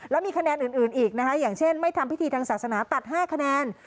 แล้วมีคะแนนอื่นอีกนะคะอย่างเช่นไม่ทำพิธีทางศาสนาตัด๕คะแนน